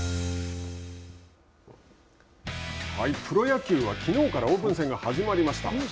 プロ野球は、きのうからオープン戦が始まりました。